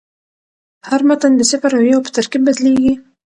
هر متن د صفر او یو په ترکیب بدلېږي.